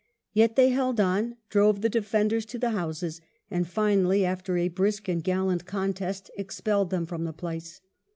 Yet they held on, drove the defenders to the houses, and finally after a brisk and gallant eooitest expelled them from the place.